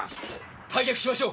退却しましょう。